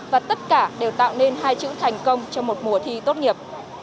và tất cả đều tạo nên hai chữ thành công cho một mùa thi tốt nghiệp